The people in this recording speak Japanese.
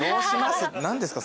何ですか？